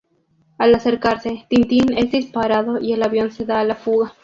Al acercarse, Tintin es disparado y el avión se da a la fuga.